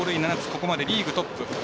ここまでリーグトップ。